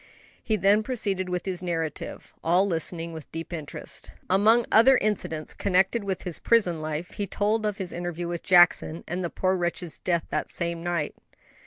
He then proceeded with his narrative; all listening with deep interest. Among other incidents connected with his prison life, he told of his interview with Jackson, and the poor wretch's death that same night.